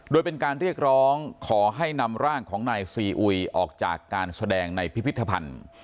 โดยเป็นการเรียกร้องขอให้นำร่างของนายซีอุยออกจากการแสดงในพิพิธภัณฑ์